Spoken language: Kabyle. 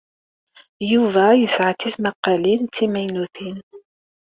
Yuba yesɛa tismaqqalin d timaynutin.